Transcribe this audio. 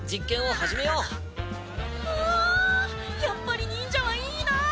やっぱり忍者はいいな！